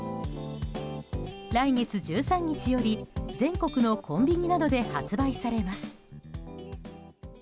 来月１３日より全国のコンビニなどで発売されます。